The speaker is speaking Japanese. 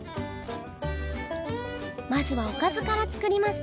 まずはおかずから作ります。